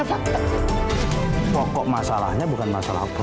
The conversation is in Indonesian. apa bahasa yang kira kira